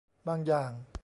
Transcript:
บางอย่าง